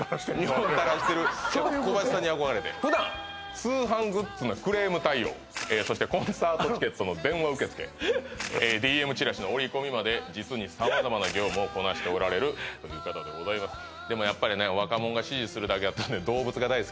２本垂らしてる小林さんに憧れて普段通販グッズのクレーム対応そしてコンサートチケットの電話受付ＤＭチラシの折り込みまで実に様々な業務をこなしておられるという方でございますでもやっぱりね若モンが支持するだけあってね